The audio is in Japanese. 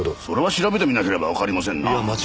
それは調べてみなければわかりませんなあ。